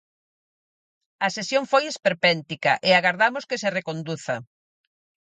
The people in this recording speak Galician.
A sesión foi esperpéntica e agardamos que se reconduza.